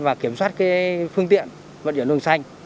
và kiểm soát cái phương tiện vận chuyển luồng xanh